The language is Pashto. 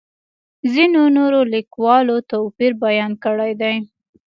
ځینو نورو لیکوالو توپیر بیان کړی دی.